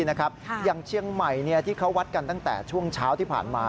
อย่างเชียงใหม่ที่เขาวัดกันตั้งแต่ช่วงเช้าที่ผ่านมา